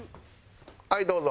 はいどうぞ。